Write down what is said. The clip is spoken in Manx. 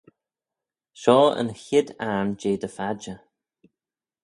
Shoh yn chied ayrn jeh dty phadjer.